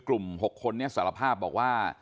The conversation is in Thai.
กลุ่ม๖คนนะสารภาพบอกว่า